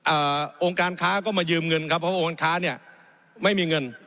องค์การค้าก็มายืมเงินครับเพราะองค์การค้าเนี้ยไม่มีเงิน